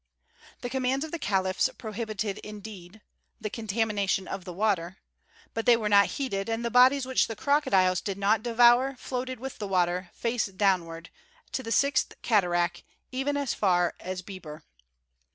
The commands of the caliphs prohibited, indeed, "the contamination of the water," but they were not heeded, and the bodies which the crocodiles did not devour floated with the water, face downward, to the Sixth Cataract and even as far as Beber.